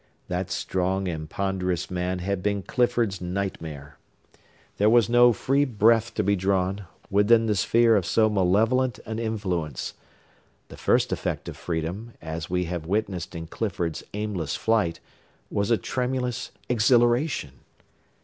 That strong and ponderous man had been Clifford's nightmare. There was no free breath to be drawn, within the sphere of so malevolent an influence. The first effect of freedom, as we have witnessed in Clifford's aimless flight, was a tremulous exhilaration.